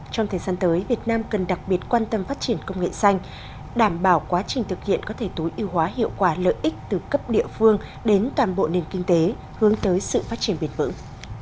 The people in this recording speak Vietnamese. trong thời gian tới việt nam cần đặc biệt quan tâm phát triển công nghệ xanh đảm bảo quá trình thực hiện có thể tối ưu hóa hiệu quả lợi ích từ cấp địa phương đến toàn bộ nền kinh tế hướng tới sự phát triển bền vững